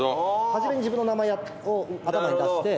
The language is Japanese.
初めに自分の名前を頭に出して。